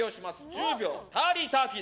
１０秒、ターリーターキー。